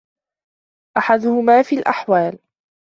أَحَدُهُمَا فِي الْأَحْوَالِ